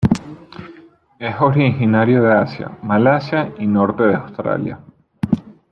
Es originario de Asia, Malasia y Norte de Australia.